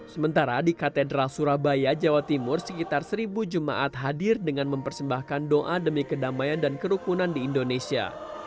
sementara di katedral surabaya jawa timur sekitar seribu jemaat hadir dengan mempersembahkan doa demi kedamaian dan kerukunan di indonesia